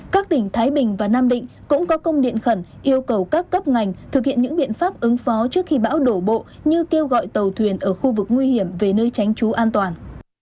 các tỉnh thái bình và nam định cũng có công điện khẩn yêu cầu các cấp ngành thực hiện những biện pháp ứng phó trước khi bão đổ bộ như kêu gọi tàu thuyền ở khu vực nguy hiểm về nơi tránh trú an toàn